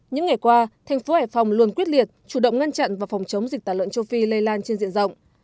những ngày qua thành phố hải phòng luôn quyết liệt chủ động ngăn chặn và phòng chống dịch tả lợn châu phi lây lan trên diện rộng